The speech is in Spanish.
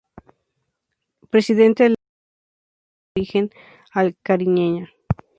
Presidente de la Denominación de Origen Cariñena.